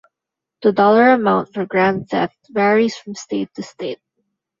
The dollar amount for grand theft varies from state to state.